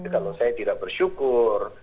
kalau saya tidak bersyukur